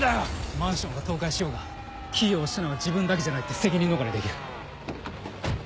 マンションが倒壊しようがキーを押したのは自分だけじゃないって責任逃れできる。